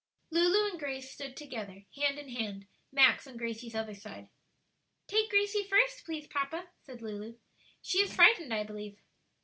Lulu and Grace stood together, hand in hand, Max on Gracie's other side. "Take Gracie first, please, papa," said Lulu; "she is frightened, I believe."